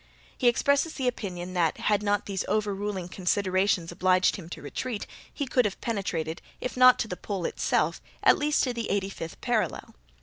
He expresses the opinion that, had not these overruling considerations obliged him to retreat, he could have penetrated, if not to the pole itself, at least to the eighty fifth parallel.